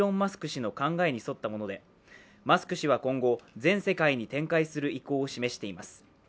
氏の考えに沿ったもので、マスク氏は今後、全世界に展開する意向を示しています。